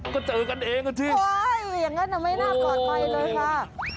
ก็เจอกันเองจริงว้ายอย่างนั้นไม่น่ากลอดไปเลยค่ะ